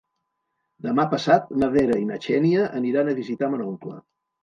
Demà passat na Vera i na Xènia aniran a visitar mon oncle.